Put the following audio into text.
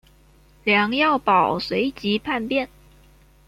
梁耀宝随即叛变。